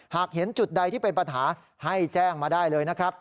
หากเห็นจุดใดที่เป็นปัญหาให้แจ้งมาได้เลยนะครับ